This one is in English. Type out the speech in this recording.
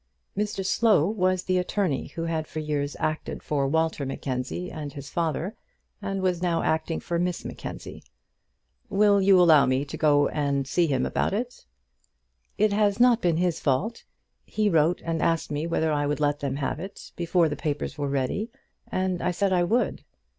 Mr Slow was the attorney who had for years acted for Walter Mackenzie and his father, and was now acting for Miss Mackenzie. "Will you allow me to go to him and see about it?" "It has not been his fault. He wrote and asked me whether I would let them have it, before the papers were ready, and I said I would."